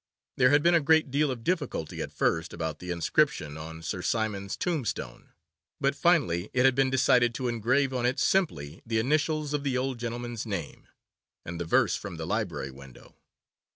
There had been a great deal of difficulty at first about the inscription on Sir Simon's tombstone, but finally it had been decided to engrave on it simply the initials of the old gentleman's name, and the verse from the library window.